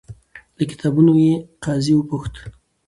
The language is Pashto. له کتابونو یې. قاضي وپوښت،